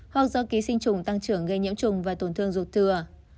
hoặc do ký sinh trùng tăng trưởng gây nhiễm trùng và tổn thương ruột thừa